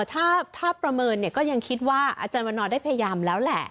ถ้าประเมินก็ยังคิดว่าอาจารย์วันนอร์ได้พยายามแล้วแหละ